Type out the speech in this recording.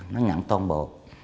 nó ngặn toàn bộ